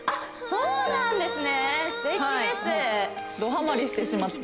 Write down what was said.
そうなんですよ